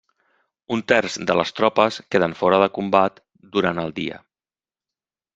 Un terç de les tropes queden fora de combat durant el dia.